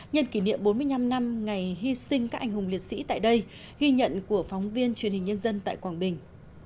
nhân kỷ niệm bốn mươi năm năm ngày hy sinh các anh hùng liệt sĩ tại đây ghi nhận của phóng viên truyền hình nhân dân tại quảng bình